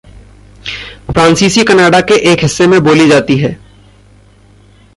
फ़्रांसीसी Canada के एक हिस्से में बोली जाती है।